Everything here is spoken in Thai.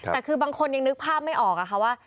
แต่คือบางคนยังนึกภาพไม่ออกค่ะว่า